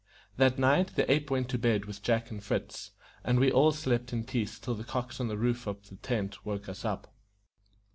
That night the ape went to bed with Jack and Fritz, and we all slept in peace till the cocks on the roof of the tent woke us up.